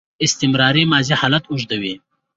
استمراري ماضي حالت اوږدوي.